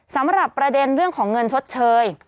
สำหรับประเด็นเรื่องของเงินชดเชย